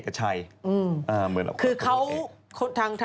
ถูกต้อง